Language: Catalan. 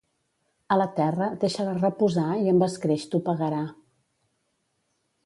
A la terra, deixa-la reposar i amb escreix t'ho pagarà.